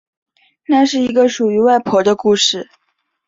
那是一个属于外婆的故事